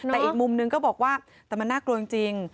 แต่อีกมุมนึงก็บอกว่าแต่มันน่ากลัวจริง